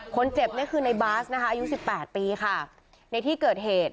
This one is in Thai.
คนเจ็บนี่คือในบาสนะคะอายุสิบแปดปีค่ะในที่เกิดเหตุ